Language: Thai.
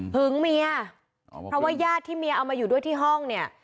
เมียเพราะว่าญาติที่เมียเอามาอยู่ด้วยที่ห้องเนี่ย